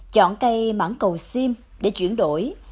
chọn cây mãng cầu xiêm để chuyển đổi